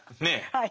はい。